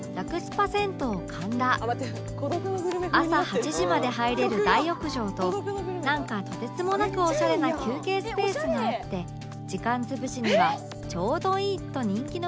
朝８時まで入れる大浴場となんかとてつもなくオシャレな休憩スペースがあって時間潰しにはちょうどいいと人気の場所